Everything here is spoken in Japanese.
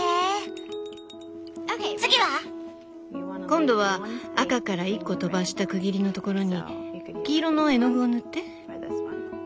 今度は赤から１個とばした区切りのところに黄色の絵の具を塗って。